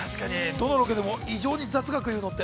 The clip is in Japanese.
どのロケでも異常に雑学を言うのって。